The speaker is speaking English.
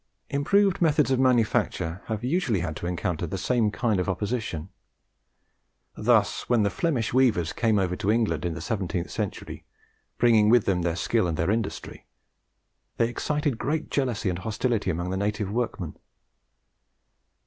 Improved methods of manufacture have usually had to encounter the same kind of opposition. Thus, when the Flemish weavers came over to England in the seventeenth century, bringing with them their skill and their industry, they excited great jealousy and hostility amongst the native workmen.